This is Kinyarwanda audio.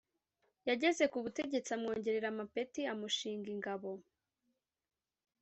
yageze ku butegetsi amwongerera amapeti amushinga ingabo.